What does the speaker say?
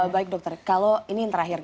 baik dokter kalau ini yang terakhir